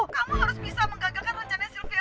kamu harus bisa menggagalkan rencana sylvia